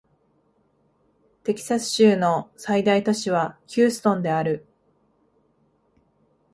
テキサス州の最大都市はヒューストンである